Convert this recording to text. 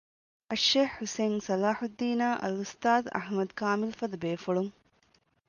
އައްޝައިޚް ޙުސައިން ޞަލާޙުއްދީނާއި އަލްއުސްތާޛް އަޙްމަދު ކާމިލުފަދަ ބޭފުޅުން